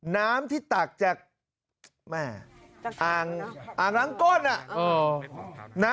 น้ำที่ตักจากแม่อ่างล้างก้น